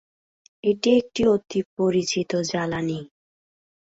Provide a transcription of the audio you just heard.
এটি একটি অতি পরিচিত জ্বালানি।